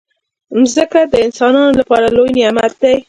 مځکه د انسانانو لپاره لوی نعمت دی.